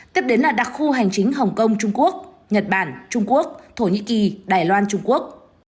tiếp đến là đặc khu hành chính hồng kông trung quốc nhật bản trung quốc thổ nhĩ kỳ đài loan trung quốc